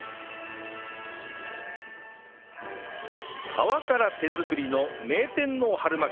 皮から手作りの名店の春巻